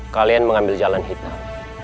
kalian mengambil jalan hitam